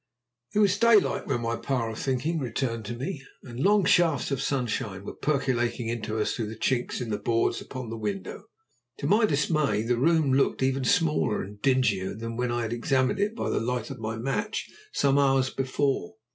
It was daylight when my power of thinking returned to me, and long shafts of sunshine were percolating into us through the chinks in the boards upon the window. To my dismay the room looked even smaller and dingier than when I had examined it by the light of my match some hours before.